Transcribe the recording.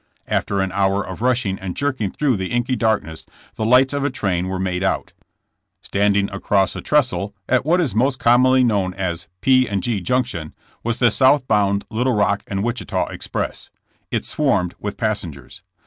After an hour of rushing and jerking through the inky darkness, the lights of a train were made out. Standing just across a trestle at what is most commonly known as "P. & G. Junction,'* was the southbound Little Rock and Wichita express. It swarmed with passengers.